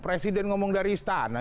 presiden ngomong dari istana